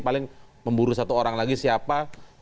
paling memburu satu orang lagi siapa